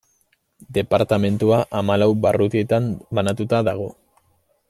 Departamendua hamalau barrutitan banatuta dago.